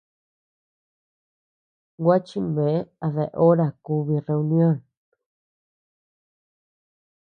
Gua chimbë a dea hora kubi reunion.